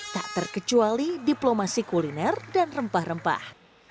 tak terkecuali diplomasi kuliner dan rempah rempah